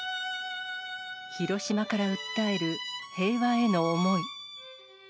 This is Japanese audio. ヒロシマから訴える平和への思い。